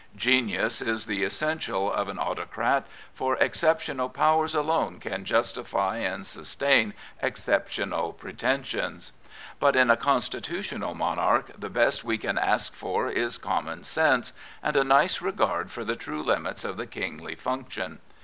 Genius is the essential of an autocrat, for exceptional powers alone can justify and sustain exceptional pretensions. But in a constitutional monarch the best we can ask for is common sense and a nice regard for the true limits of the kingly function.